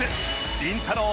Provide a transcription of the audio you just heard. りんたろー。